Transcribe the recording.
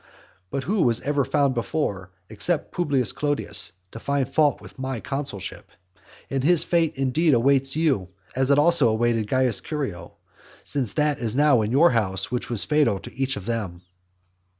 But who was ever found before, except Publius Clodius, to find fault with my consulship? And his fate indeed awaits you, as it also awaited Caius Curio; since that is now in your house which was fatal to each of them.